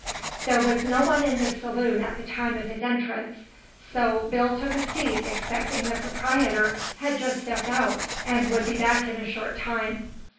There was no one in the saloon at the time of his entrance; so Bill took a seat expecting the proprietor had just stepped out and would be back in a short time.